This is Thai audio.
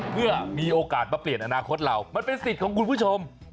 เพื่อมีโอกาสมาเปลี่ยนอนาคตเรามันเป็นสิทธิ์ของคุณผู้ชม